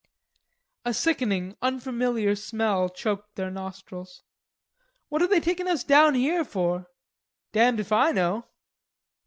A sickening unfamiliar smell choked their nostrils. "What are they taking us down here for?" "Damned if I know."